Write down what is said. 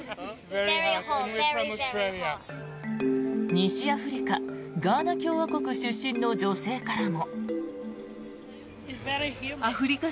西アフリカガーナ共和国出身の女性からも。